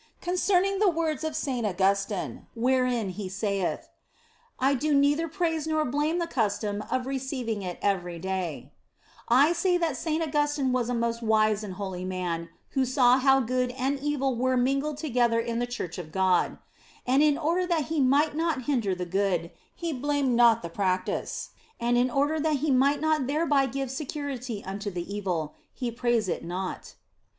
Concerning the words of Saint Augustine wherein he saith, " I do neither praise nor blame the custom of receiving it every day," I say that Saint Augustine was a most wise and holy man who saw how good and evil were mingled together in the Church of God ; and in order that he might not hinder the good, he blamed not this practice, and in order that he might not thereby give security unto the evil, he praised it not.